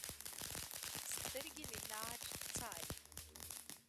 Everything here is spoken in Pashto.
سترګې مې لار څارې